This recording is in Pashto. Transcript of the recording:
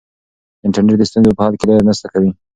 انټرنیټ د ستونزو په حل کې لویه مرسته کوي.